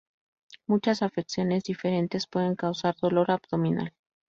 Muchas afecciones diferentes pueden causar dolor abdominal.